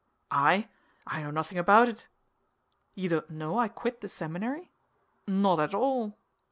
"I? I know nothing about it." "You don't know I quit the seminary?" "Not at all."